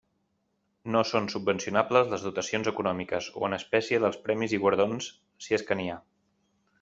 No són subvencionables les dotacions econòmiques o en espècie dels premis i guardons, si és que n'hi ha.